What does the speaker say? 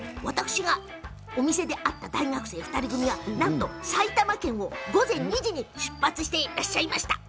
お店で会った大学生２人組は埼玉県を午前２時に出発していらっしゃいました。